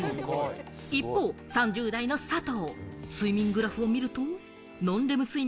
一方、３０代の佐藤。